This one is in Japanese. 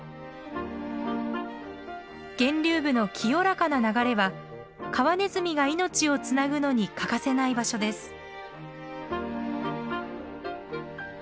源流部の清らかな流れはカワネズミが命をつなぐのに欠かせない場所です。